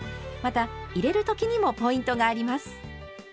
また入れる時にもポイントがあります。